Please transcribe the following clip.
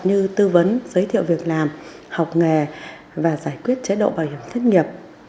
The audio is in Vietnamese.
như tư vấn giới thiệu việc làm học nghề và giải quyết chế độ bảo hiểm thất nghiệp